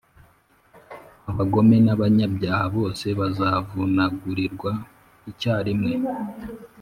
Abagome n’abanyabyaha bose bazavunagurirwa icyarimwe,